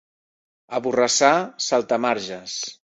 A Borrassà, saltamarges.